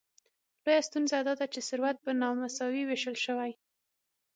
لویه ستونزه داده چې ثروت په نامساوي ویشل شوی.